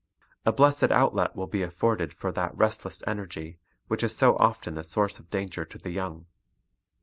A blessed outlet will be afforded for that restless energy which is so often a source of danger to the young.